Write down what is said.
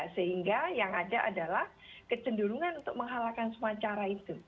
sehingga yang ada adalah kecenderungan untuk menghalakan semua cara itu